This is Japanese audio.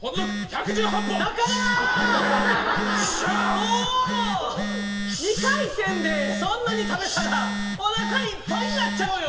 もう２回戦でそんなに食べたらおなかいっぱいになっちゃうよ